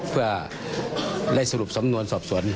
เพื่อได้สรุปสำนวนสอบสวน